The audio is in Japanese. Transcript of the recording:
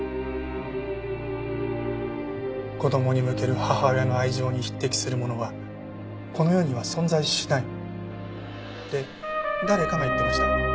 子供に向ける母親の愛情に匹敵するものはこの世には存在しないって誰かが言ってました。